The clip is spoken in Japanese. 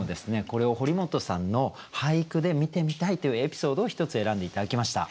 これを堀本さんの俳句で見てみたいというエピソードを１つ選んで頂きました。